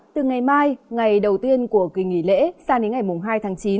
từ ngày mai ngày đầu tiên của kỳ nghỉ lễ sang đến ngày hai tháng chín